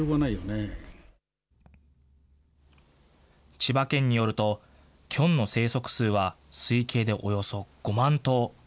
千葉県によると、キョンの生息数は推計でおよそ５万頭。